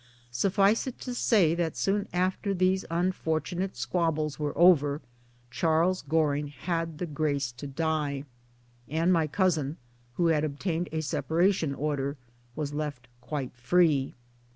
Suffice it to say that soon after these unfortunate squabbles were over, Charles Goring had the grace to die, and my cousin (who had obtained a separation order) was left quite free.